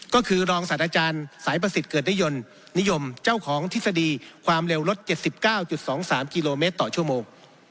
ก็คือรองสัตว์อาจารย์สายประสิทธิ์เกิดนิยนต์นิยมเจ้าของทฤษฎีความเร็วรถ๗๙๒๓กิโลเมตรต่อชั่วโมง